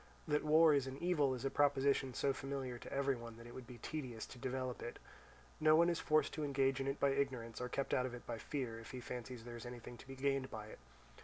That war is an evil is a proposition so familiar to every one that it would be tedious to develop it. No one is forced to engage in it by ignorance, or kept out of it by fear, if he fancies there is anything to be gained by it.